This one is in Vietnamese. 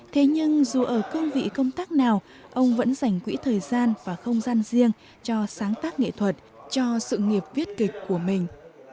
thế nhưng dù ở cương vị công tác nào ông vẫn dành quỹ thời gian và không gian riêng cho sáng tác nghệ thuật cho sự nghiệp viết kịch của mình